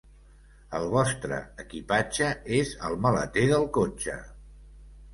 El vostre equipatge és al maleter del cotxe.